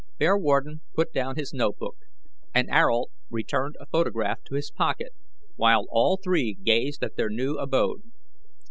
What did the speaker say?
Bearwarden put down his note book, and Ayrault returned a photograph to his pocket, while all three gazed at their new abode.